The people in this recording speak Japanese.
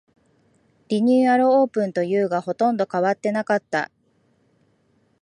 リニューアルオープンというが、ほとんど変わってなかった